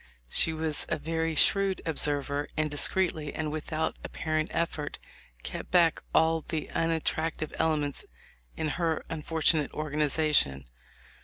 She was a very shrewd observer, and discreetly and without apparent effort kept back all the unattrac tive elements in her unfortunate organization.